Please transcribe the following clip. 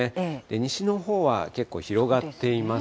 西のほうは結構広がっています。